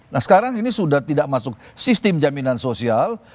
nah sekarang ini sudah tidak masuk sistem jaminan sosial